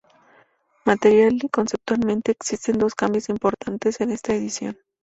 Material y conceptualmente existen dos cambios importantes en esta edición.